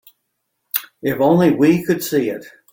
If only we could see it.